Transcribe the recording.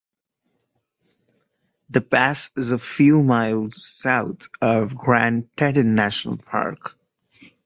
The pass is a few miles south of Grand Teton National Park.